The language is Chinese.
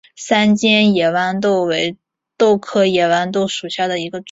三尖野豌豆为豆科野豌豆属下的一个种。